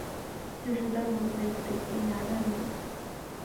যশোদার মতো দেখতে, এই রাধার মেয়ে।